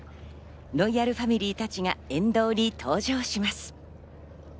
ロイヤルファミリーたちが沿道に登場します。